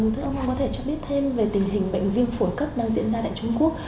thưa ông có thể cho biết thêm về tình hình bệnh viêm phổi cấp đang diễn ra tại trung quốc